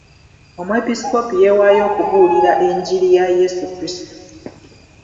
Omwepiskoopi yeewaayo okubuulira enjiri ya Yesu Krisitu.